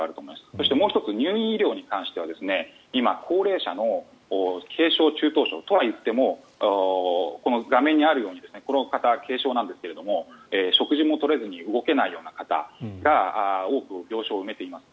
そしてもう１つ入院医療に関しては今、高齢者の軽症・中等症とはいってもこの画面にあるようにこの方は軽症なんですが食事も取れずに動けないような方が多く病床を埋めています。